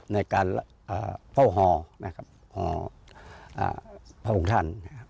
ในการเฝ้าห่อห่อพระองค์ท่าน